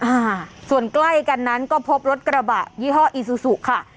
อ่าส่วนใกล้กันนั้นก็พบรถกระบะยี่ห้ออีซูซูค่ะ